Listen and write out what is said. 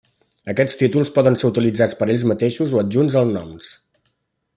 Aquests títols poden ser utilitzats per ells mateixos o adjunts als noms.